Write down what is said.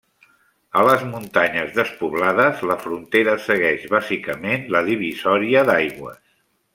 A les muntanyes despoblades, la frontera segueix bàsicament la divisòria d'aigües.